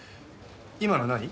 今の何？